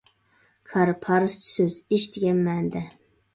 كار: پارسچە سۆز، ئىش دېگەن مەنىدە.